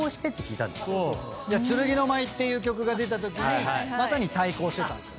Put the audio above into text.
『剣の舞』っていう曲が出たときにまさに対抗してたんですよ。